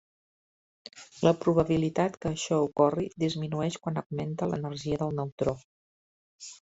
La probabilitat que això ocorri disminueix quan augmenta l'energia del neutró.